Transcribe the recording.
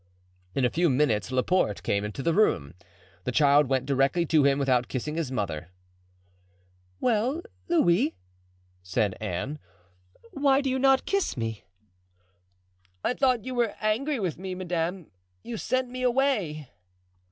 In a few minutes Laporte came into the room. The child went directly to him without kissing his mother. "Well, Louis," said Anne, "why do you not kiss me?" "I thought you were angry with me, madame; you sent me away."